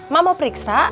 mak mau periksa